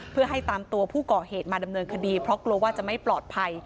เพื่อให้ตามตัวผู้ก่อเหตุมาดำเนินคดีเพราะกลัวว่าจะไม่ปลอดภัย